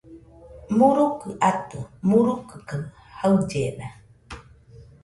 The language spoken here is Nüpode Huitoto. Murukɨ atɨ, murubɨ kaɨ jaɨllena